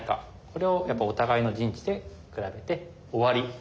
これをやっぱりお互いの陣地で比べて終わり？